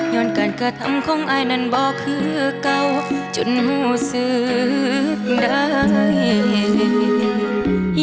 ย้อนกันกระทำของอัยนั่นบอกคือเก่าจุดหมู่สึกได้